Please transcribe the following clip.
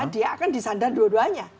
dia akan disandar dua duanya